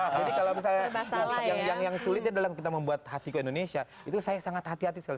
jadi kalau misalnya yang sulitnya dalam kita membuat hatiku indonesia itu saya sangat hati hati sekali